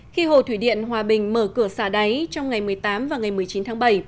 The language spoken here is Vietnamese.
khi hồ thủy điện hòa bình mở cửa xả đáy trong ngày một mươi tám và ngày một mươi chín tháng bảy